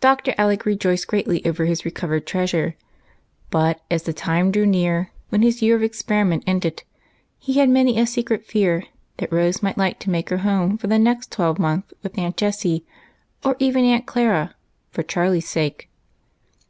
Dr. Alec rejoiced greatly over his recovered treas ure ; but as the time drew near when his year of ex periment ended, he had many a secret fear that Rose might like to make her home for the next twelvemonth with Aunt Jessie, or even Aunt Clara, for Charlie's sake.